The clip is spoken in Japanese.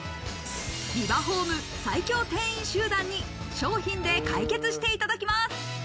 ビバホーム最強店員集団に商品で解決していただきます。